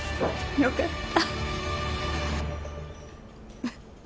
よかった！